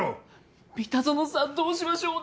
三田園さんどうしましょう？